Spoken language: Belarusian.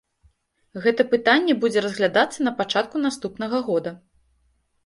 Гэта пытанне будзе разглядацца на пачатку наступнага года.